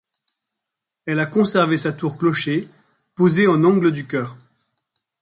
Elle a conservé sa tour clocher posée en angle du chœur.